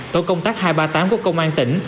tổ công tác hai trăm ba mươi tám của công an tỉnh